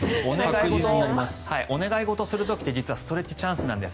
お願いごとをする時って実はストレッチチャンスなんです